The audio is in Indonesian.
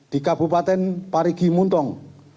di kabupaten parikimuntong